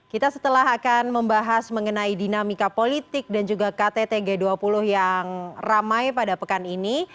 kita setelah akan membahas mengenai dinamika politik dan juga ktt g dua puluh yang ramai pada pekan ini